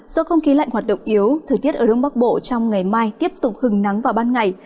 do không khí lạnh hoạt động yếu thời tiết ở đông bắc bộ trong ngày mai tiếp tục hứng nắng vào ban ngày